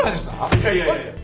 いやいやいやいや。